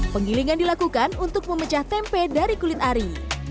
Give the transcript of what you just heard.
penggilingan dilakukan untuk memecah tempe dari kulit ari